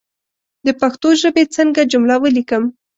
د پښتو ژبى څنګه جمله وليکم